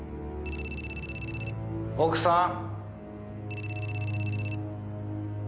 奥さん？